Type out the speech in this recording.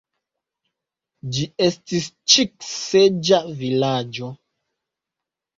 Ĝi estis ĉik-seĝa vilaĝo.